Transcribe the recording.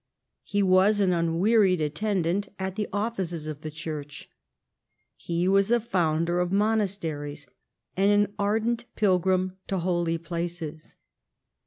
He was an unwearied attendant at the offices of the Church. He was a founder of monas teries and an ardent pilgrim to holy places.